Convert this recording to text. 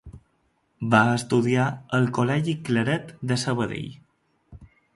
Va estudiar al col·legi Claret de Sabadell.